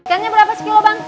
ikannya berapa sekilo bang